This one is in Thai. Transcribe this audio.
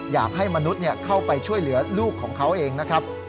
อยากให้มนุษย์เข้าไปช่วยเหลือลูกของเขาเองนะครับ